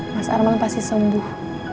mas arman pasti sembuh